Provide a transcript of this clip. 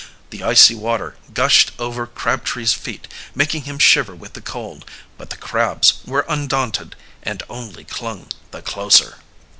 The icy water gushed over Crabtree's feet, making him shiver with the cold, but the crabs were undaunted and only clung the closer.